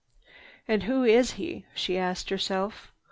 "And who is he?" she asked herself.